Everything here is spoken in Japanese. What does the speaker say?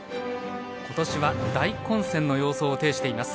今年は大混戦の様相を呈しています。